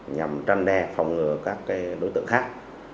nhằm trăn đe phòng ngừa các đối tượng khác